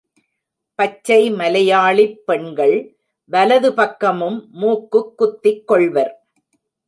பச்சை மலையாளிப் பெண்கள் வலது பக்கமும் மூக்குக் குத்திக் கொள்வர்.